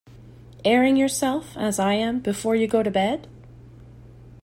Airing yourself, as I am, before you go to bed?